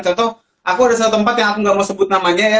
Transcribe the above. contoh aku ada satu tempat yang aku nggak mau sebut namanya ya